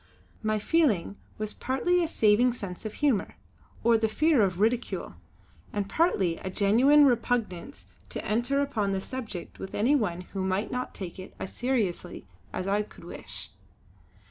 My feeling was partly a saving sense of humour, or the fear of ridicule, and partly a genuine repugnance to enter upon the subject with any one who might not take it as seriously as I could wish.